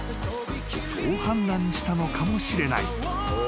［そう判断したのかもしれない］